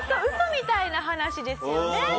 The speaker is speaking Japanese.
ウソみたいな話ですよね。